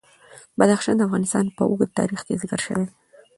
بدخشان د افغانستان په اوږده تاریخ کې ذکر شوی دی.